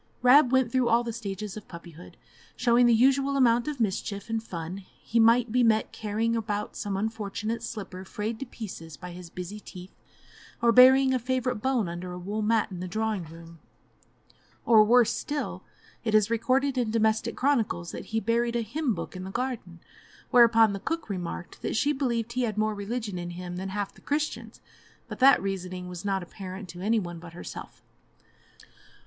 Rab went through all the stages of puppyhood, showing the usual amount of mischief and fun; he might be met carrying about some unfortunate slipper frayed to pieces by his busy teeth, or burying a favourite bone under a wool mat in the drawing room, or, worse still, it is recorded in domestic chronicles that he buried a hymn book in the garden, whereupon the cook remarked that she believed he had more religion in him than half the Christians; but that reasoning was not apparent to any one but herself.